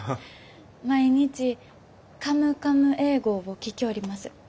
毎日「カムカム英語」を聴きょおります。